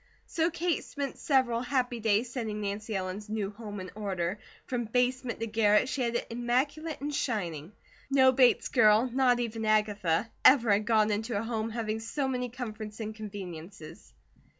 So Kate spent several happy days setting Nancy Ellen's new home in order. From basement to garret she had it immaculate and shining. No Bates girl, not even Agatha, ever had gone into a home having so many comforts and conveniences.